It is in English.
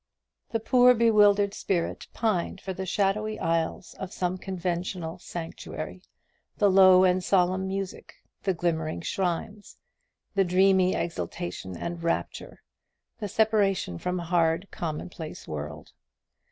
The poor bewildered spirit pined for the shadowy aisles of some conventual sanctuary, the low and solemn music, the glimmering shrines, the dreamy exaltation and rapture, the separation from a hard commonplace world.